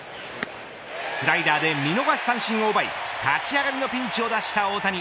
スライダーで見逃し三振を奪い立ち上がりのピンチを脱した大谷。